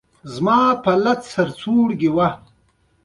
د پکتیکا سینځلي بیل خوند یعني څکه لري.